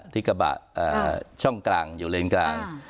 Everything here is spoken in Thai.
ที่กระบะช่องกลางอยู่เลนกลาง